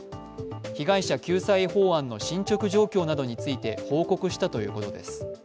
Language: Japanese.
被害者救済法案の進ちょく状況などについて、報告したということです。